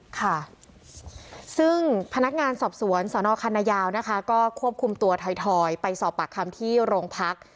ค่ะซึ่งพนักงานสอบสวนสนคันนายาวนะคะก็ควบคุมตัวถอยไปสอบปากคำที่โรงพัก